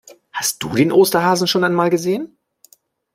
Hast du den Osterhasen schon einmal gesehen?